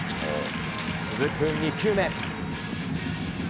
続く２球目。